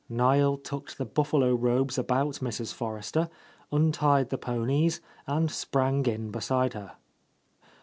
Niel tucked the buffalo robes about Mrs. Forrester, untied the ponies, and sprang in beside her.